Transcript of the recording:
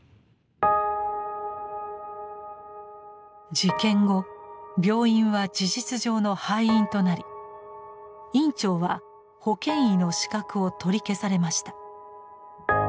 事件後病院は事実上の廃院となり院長は保険医の資格を取り消されました。